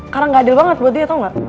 karena gak adil banget buat dia tau gak